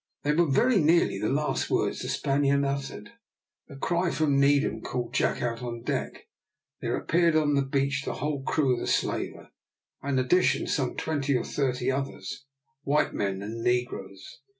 These were very nearly the last words the Spaniard uttered. A cry from Needham called Jack out on deck. There appeared on the beach the whole crew of the slaver, and in addition some twenty or thirty others, white men and negroes.